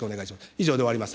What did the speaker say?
以上で終わります。